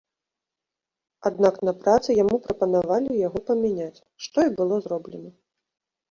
Аднак на працы яму прапанавалі яго памяняць, што і было зроблена.